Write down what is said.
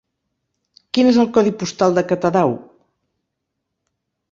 Quin és el codi postal de Catadau?